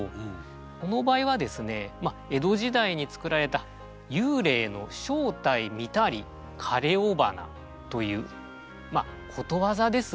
この場合はですねまあ江戸時代に作られた「幽霊の正体見たり枯れ尾花」というまあことわざですね。